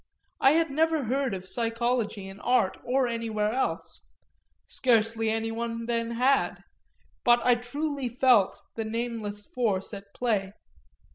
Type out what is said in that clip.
I had never heard of psychology in art or anywhere else scarcely anyone then had; but I truly felt the nameless force at play.